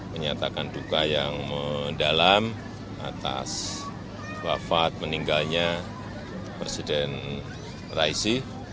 menyatakan duka yang mendalam atas wafat meninggalnya presiden raisi